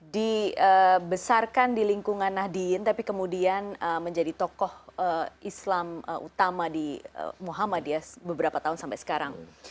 dibesarkan di lingkungan nahdien tapi kemudian menjadi tokoh islam utama di muhammadiyah beberapa tahun sampai sekarang